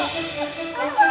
aduh kau takut